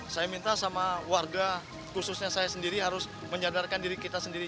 saya minta sama warga khususnya saya sendiri harus menyadarkan diri kita sendiri